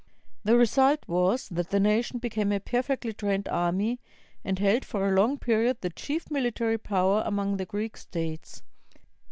The result was that the nation became a perfectly trained army; and held for a long period the chief military power among the Greek states.